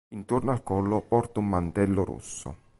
Intorno al collo porta un mantello rosso.